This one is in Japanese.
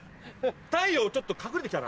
太陽ちょっと隠れてきたな。